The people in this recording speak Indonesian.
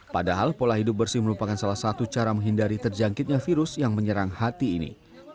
padahal pola hidup bersih merupakan salah satu cara menghindari terjangkitnya virus yang menyerang hati ini